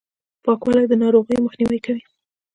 پاکوالي، د ناروغیو مخنیوی کوي.